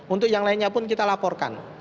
untuk yang lainnya pun kita laporkan